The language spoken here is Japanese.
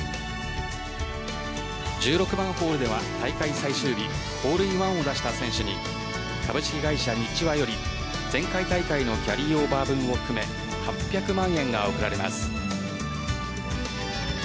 １６番ホールでは大会最終日ホールインワンを出した選手に株式会社ニチワより前回大会のキャリーオーバー分を含め８００万円が贈られます。